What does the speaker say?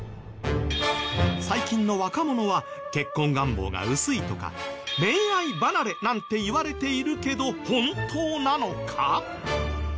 最近の若者は「結婚願望が薄い」とか「恋愛離れ」なんて言われているけど本当なのか？